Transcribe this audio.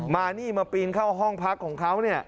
มานี่มาปีนเข้าห้องพักของเขาเนี่ย